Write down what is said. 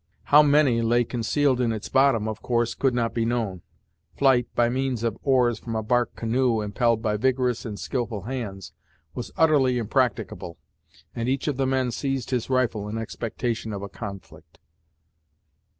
How many lay concealed in its bottom, of course could not be known. Flight, by means of oars, from a bark canoe impelled by vigorous and skilful hands, was utterly impracticable, and each of the men seized his rifle in expectation of a conflict.